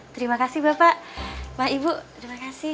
terima kasih bapak bapak ibu terima kasih